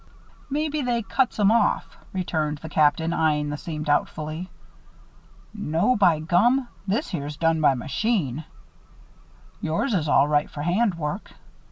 "Maybe they cuts 'em off," returned the Captain, eying the seam, doubtfully. "No, by gum! This here's done by machine. Yours is all right for hand work.